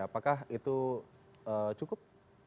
apakah itu cukup